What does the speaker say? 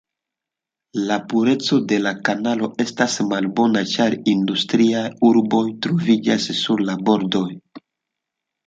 La pureco de la kanalo estas malbona, ĉar industriaj urboj troviĝas sur la bordoj.